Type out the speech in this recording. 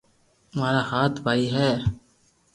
مارا ھات ڀائي ھي